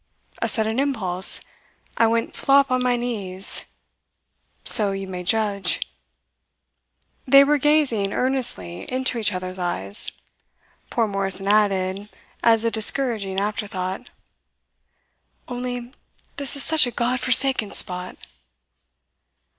A sudden impulse I went flop on my knees; so you may judge " They were gazing earnestly into each other's eyes. Poor Morrison added, as a discouraging afterthought: "Only this is such a God forsaken spot."